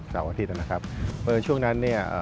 เสาร์อาทิตย์นะครับเพราะฉะนั้นเนี่ย